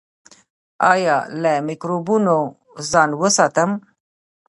ایا له مکروبونو ځان وساتم؟